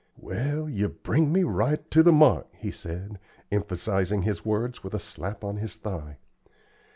"Well, yer bring me right to the mark," he said, emphasizing his words with a slap on his thigh.